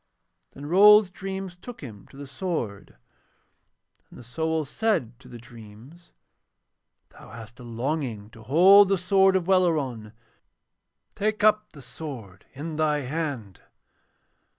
Then Rold's dreams took him to the sword, and the soul said to the dreams: 'Thou hast a longing to hold the sword of Welleran: take up the sword in thy hand.'